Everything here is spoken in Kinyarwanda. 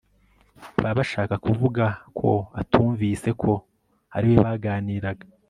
baba bashakakuvuga ko atumvise ko ari we baganiraga